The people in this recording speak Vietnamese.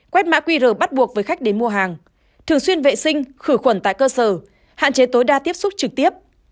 quét mã qr bắt buộc với khách đến mua hàng thường xuyên vệ sinh khử khuẩn tại cơ sở hạn chế tối đa tiếp xúc trực tiếp